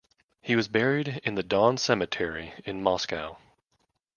He was buried in the Don Cemetery in Moscow.